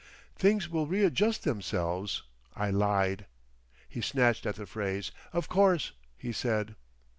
"Things will readjust themselves," I lied. He snatched at the phrase. "Of course," he said.